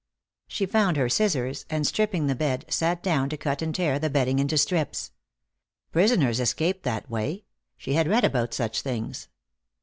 She found her scissors, and, stripping the bed, sat down to cut and tear the bedding into strips. Prisoners escaped that way; she had read about such things.